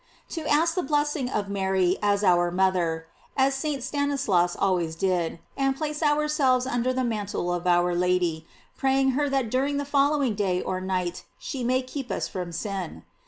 To ask the blessing of Mary as our mother, as St. Stanislas always did, and place ourselves under the mantle of our Lady, praying her that during the following day or night she may keep us from sin.